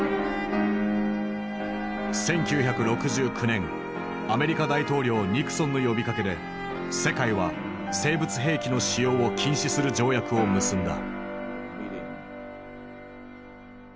１９６９年アメリカ大統領ニクソンの呼びかけで世界は生物兵器の使用を禁止する条約を結んだ。